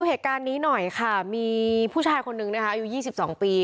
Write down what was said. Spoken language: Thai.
เหตุการณ์นี้หน่อยค่ะมีผู้ชายคนนึงนะคะอายุ๒๒ปี